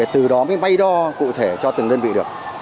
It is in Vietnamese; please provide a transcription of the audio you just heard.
từ đó mới máy đo cụ thể cho từng đơn vị được